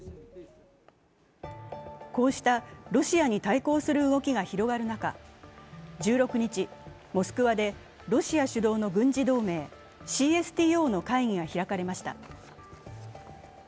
こうしたロシアに対抗する動きが広がる中、１６日、モスクワでロシア主導の軍事同盟ＣＳＴＯの会議が開かれました。